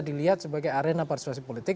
dilihat sebagai arena parsuasi politik